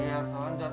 iya biar selancar